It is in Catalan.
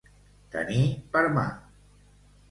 Tenir per mà.